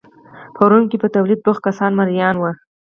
په روم کې پر تولید بوخت کسان مریان وو